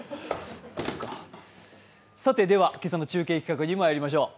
さてでは今朝の中継企画にまいりましょう。